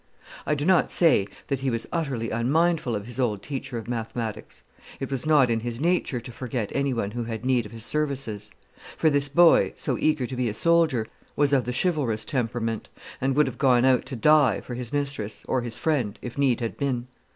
I do not say that he was utterly unmindful of his old teacher of mathematics. It was not in his nature to forget anyone who had need of his services; for this boy, so eager to be a soldier, was of the chivalrous temperament, and would have gone out to die for his mistress, or his friend, if need had been.